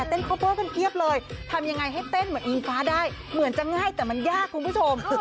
รอบถึงไว้น้ำคุณผู้ชมค่ะ